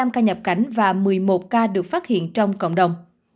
một trăm năm mươi năm ca nhập cảnh và một mươi một ca được phát hiện trong cộng đồng